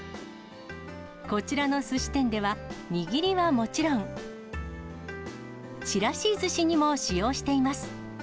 こちらのすし店では、握りはもちろん、ちらしずしにも使用しています。